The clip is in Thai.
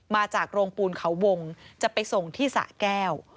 มาจากโรงปูนเขาวงจะไปส่งที่สะแก้ว